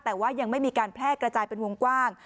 แต่ว่ายังไม่มีการแพร่กระจายเป็นวงกว้าง